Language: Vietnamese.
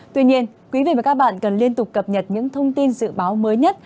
tuy nhiên quý vị và các bạn cần liên tục cập nhật những thông tin dự báo mới nhất